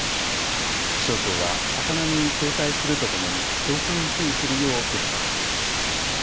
気象庁は高波に警戒するとともに強風に注意するよう呼びかけています。